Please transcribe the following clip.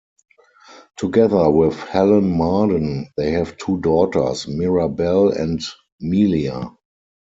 Together with Helen Marden, they have two daughters, Mirabelle and Melia.